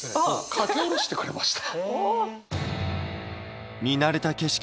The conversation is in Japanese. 書き下ろしてくれました。